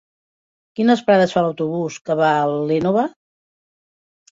Quines parades fa l'autobús que va a l'Énova?